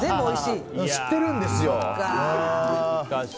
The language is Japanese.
知ってるんですよ。